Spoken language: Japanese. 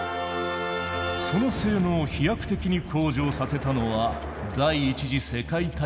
その性能を飛躍的に向上させたのは第１次世界大戦だった。